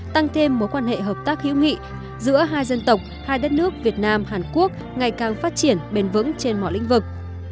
tăng thêm mối quan hệ hợp tác hiếu nghị giữa hai dân tộc hai đất nước việt nam hàn quốc ngày càng phát triển bền vững trên mọi lĩnh vực